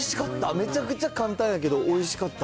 めちゃくちゃ簡単やけどおいしかった。